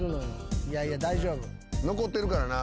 いやいや大丈夫。